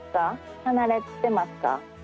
離れてますか？